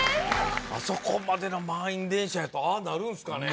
あそこまでの満員電車やとああなるんすかね？